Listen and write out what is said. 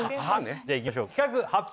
じゃあいきましょう企画発表